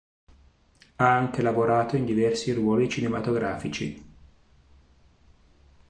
Ha anche lavorato in diversi ruoli cinematografici.